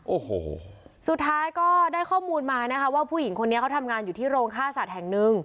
โอ้โหสุดท้ายก็ได้ข้อมูลมานะคะว่าผู้หญิงคนนี้เขาทำงานอยู่ที่โรงฆ่าสัตว์แห่งหนึ่ง